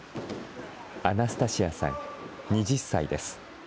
アナスタシアさん２０歳です。